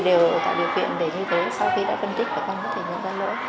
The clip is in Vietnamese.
đều tạo điều quyền để như thế sau khi đã phân tích con có thể nhận ra lỗi